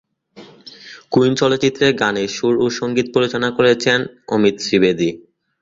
Queen চলচ্চিত্রের গানের সুর ও সঙ্গীত পরিচালনা করেছেন অমিত ত্রিবেদী।